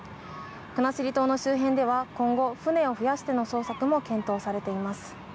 国後島の周辺では今後、船を増やしての捜索も検討されています。